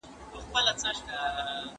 هغه په پوره زړورتيا سره رښتيا وويل.